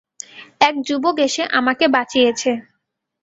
এক যুবক এসে আমাকে বাঁচিয়েছে।